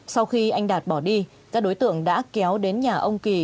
sau khi anh đạt bỏ đi các đối tượng đã kéo đến nhà ông kỳ